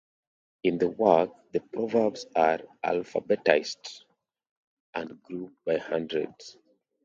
In the work, the proverbs are alphabetised and grouped by hundreds.